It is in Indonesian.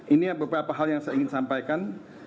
ini beberapa hal yang saya ingin sampaikan